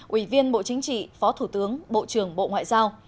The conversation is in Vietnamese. ủy viên bộ chính trị phó thủ tướng bộ trưởng bộ ngoại giao